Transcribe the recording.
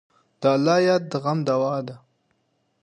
د الله یاد د غم دوا ده.